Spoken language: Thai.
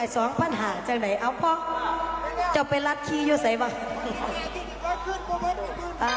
สองปัญหาจากไหนเอาพ่อเจ้าเป็นรัฐขี้เยอะใส่ป่ะ